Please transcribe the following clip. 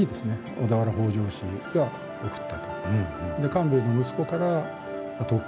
小田原北条氏が贈ったと。